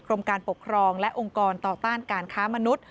การปกครองและองค์กรต่อต้านการค้ามนุษย